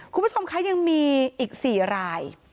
คุณผู้ชมคะยังมีอีก๔ราย